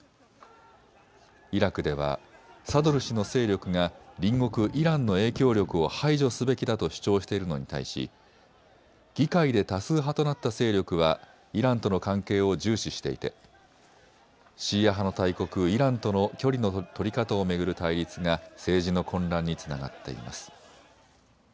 イラクではサドル師の勢力が隣国イランの影響力を排除すべきだと主張しているのに対し議会で多数派となった勢力はイランとの関係を重視していてシーア派の大国イランとの距離の取り方を巡る対立が政治の混乱につながっています。